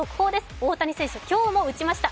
大谷選手、今日も打ちました。